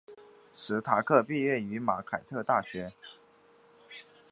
史塔克毕业于马凯特大学。